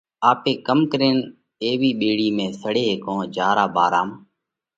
آپي ڪم ڪرينَ ايوِي ٻيڙِي ۾ سڙي هيڪونه جيا را ڀارام